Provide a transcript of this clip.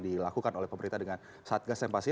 dilakukan oleh pemerintah dengan saat gas yang pasti